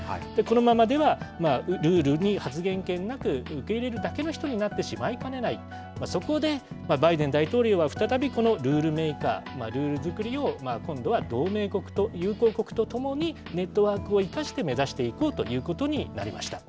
このままではルールに発言権なく、受け入れるだけの人になってしまいかねない、そこで、バイデン大統領は再びこのＲｕｌｅＭａｋｅｒ、ルール作りを今度は同盟国と友好国と共に、ネットワークを生かして目指していこうということになりました。